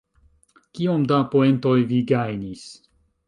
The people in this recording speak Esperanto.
Kiom da poentoj vi gajnis?